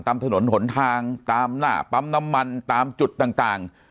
ตามถนนหนทางตามหน้าปั๊มน้ำมันตามจุดต่าง